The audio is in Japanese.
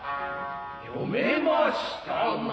読めましたナ。